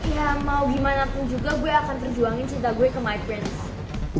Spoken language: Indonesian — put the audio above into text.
ya mau gimana pun juga gue akan terjuangin cinta gue ke my prince